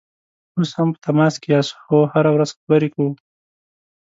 اوس هم په تماس کې یاست؟ هو، هره ورځ خبرې کوو